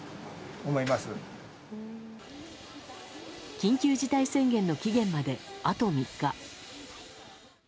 緊急事態宣言の期限まであと３日。